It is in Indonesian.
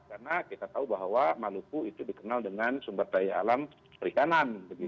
karena kita tahu bahwa maluku itu dikenal dengan sumber daya alam perikanan